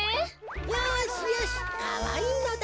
よしよしかわいいのだ。